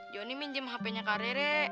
joni minjem hpnya kak rere